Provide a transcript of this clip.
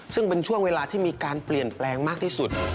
ซึ่งเป็นช่วงเวลาที่มีการเปลี่ยนแปลงมากที่สุด